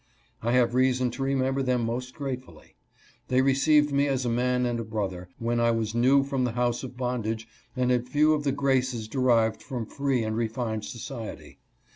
I have reason to remember them most gratefully. They received me as a man and a brother, when I was new from the house of bondage and had few of the graces derived from free and refined society.